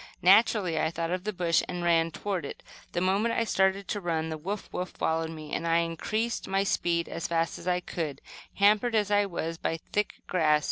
Naturally I thought of the bush, and ran toward it. The moment I started to run the "woof, woof!" followed me, and I increased my speed as fast as I could, hampered as I was by the thick grass.